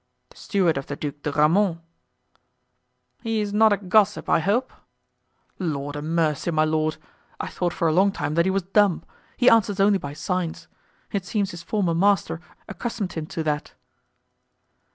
"The steward of the Duc de Grammont." "He is not a gossip, I hope?" "Lord a mercy, my lord! I thought for a long time that he was dumb; he answers only by signs. It seems his former master accustomed him to that."